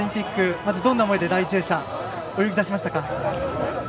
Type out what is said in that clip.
まずどんな思いで第一泳者、泳ぎだしましたか。